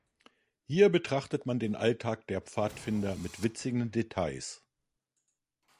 Hier betrachtet man den Alltag der Pfadfinder mit witzigen Details.